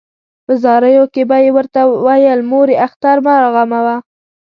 په زاریو کې به یې ورته ویل مورې اختر مه راغموه.